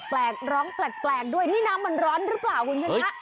แปลกร้องแปลกด้วยนี่น้ำมันร้อนหรือเปล่าคุณชิคกี้พาย